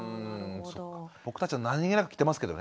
僕たちは何気なく着てますけどね。